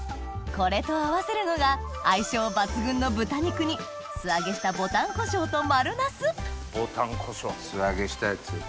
これと合わせるのが相性抜群の豚肉に素揚げしたぼたんこしょうと丸ナスぼたんこしょう素揚げしたやつ。